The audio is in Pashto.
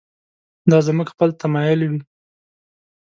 دا زموږ خپل تمایل وي.